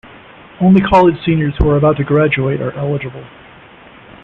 Only college seniors who are about to graduate are eligible.